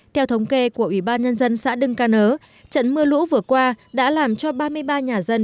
theo thống kê của ủy ban nhân dân xã đưng ca nớ trận mưa lũ vừa qua đã làm cho ba mươi ba nhà dân